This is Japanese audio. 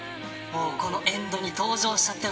このエンドに登場しちゃったよ